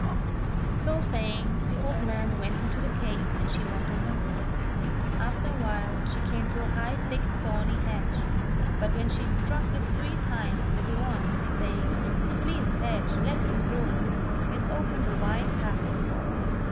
So saying the old man went into the cave and she went on her way. After a while she came to a high, thick thorny hedge ; but when she struck it three times with the wand, saying, "Please, hedge, let me through," it opened a wide pathway for her.